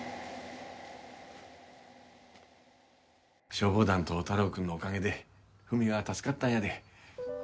消防団と太郎くんのおかげでフミは助かったんやで。